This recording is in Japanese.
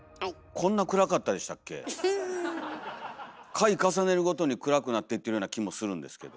回重ねるごとに暗くなってってるような気もするんですけど。